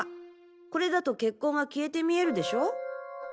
これだと血痕は消えて見えるでしょ？